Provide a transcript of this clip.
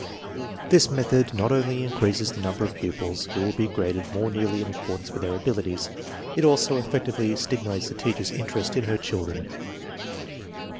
This method not only in creases the number of pupils who will be graded more nearly in accordance witl* their abilities; it also effec tively stimulates the teacher's interest in her children.